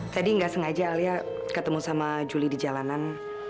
tadi nggak sengaja alia ketemu sama juli di jalanan